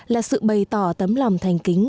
là sự bày tỏ tấm lòng thành kính